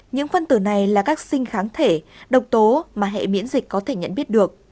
những phân tử này là các sinh kháng thể độc tố mà hệ miễn dịch có thể nhận biết được